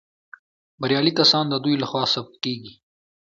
بریالي کسان د دوی لخوا ثبت کیږي.